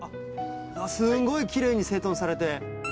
すんごいきれいに整頓されて。